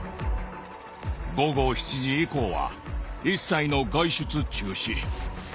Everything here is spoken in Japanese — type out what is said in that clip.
午後７時以降は一切の外出中止。